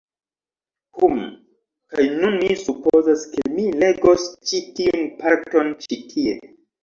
Hum, kaj nun mi supozas ke mi legos ĉi tiun parton ĉi tie